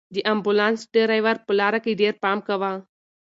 د امبولانس ډرېور په لاره کې ډېر پام کاوه.